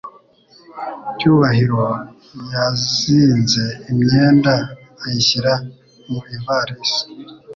Cyubahiro yazinze imyenda ayishyira mu ivarisi.